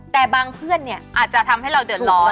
แต่บางเพื่อนเนี่ยอาจจะทำให้เราเดือดร้อน